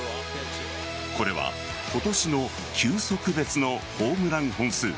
これは今年の球速別のホームラン本数。